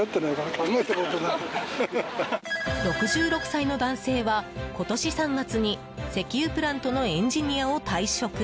６６歳の男性は今年３月に石油プラントのエンジニアを退職。